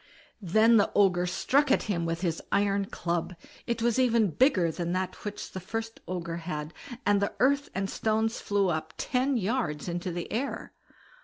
Then the Ogre struck at him with his iron club; it was even bigger than that which the first Ogre had, and the earth and stones flew up ten yards into the air.